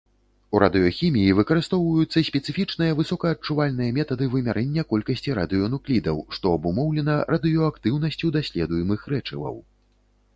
У радыяхіміі выкарыстоўваюцца спецыфічныя высокаадчувальныя метады вымярэння колькасці радыенуклідаў, што абумоўлена радыеактыўнасцю даследуемых рэчываў.